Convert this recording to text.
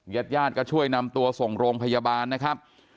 ญาติญาติก็ช่วยนำตัวส่งโรงพยาบาลนะครับ